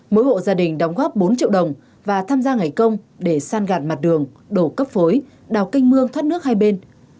mỗi hộ gia đình đóng góp bốn triệu đồng và tham gia ngày công để san gạt mặt đường đổ cấp phối đào kinh mương thoát nước hai bên